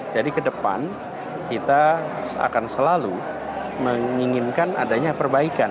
jadi ke depan kita akan selalu menginginkan adanya perbaikan